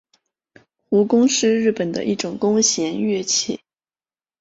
胡弓是日本的一种弓弦乐器。